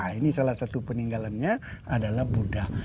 nah ini salah satu peninggalannya adalah buddha